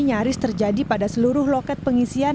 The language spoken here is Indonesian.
nyaris terjadi pada seluruh loket pengisian